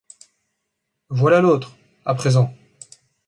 Voilà l’autre, à présent!